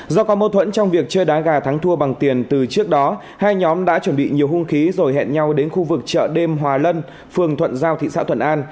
do có mâu thuẫn trong việc chơi đá gà thắng thua bằng tiền từ trước đó hai nhóm đã chuẩn bị nhiều hung khí rồi hẹn nhau đến khu vực chợ đêm hòa lân phường thuận giao thị xã thuận an